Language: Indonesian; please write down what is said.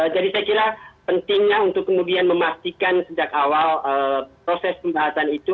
jadi saya kira pentingnya untuk kemudian memastikan sejak awal proses pembahasan itu